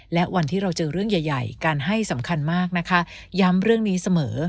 และวันที่เราเจอเรื่องใหญ่การให้สำคัญมากนะคะย้ำเรื่องนี้เสมอ